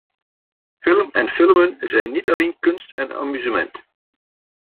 Film en filmen zijn niet alleen kunst en amusement.